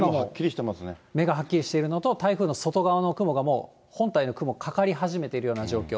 目がはっきりしているのと、台風の外側の雲が、もう本体の雲、かかり始めているような状況。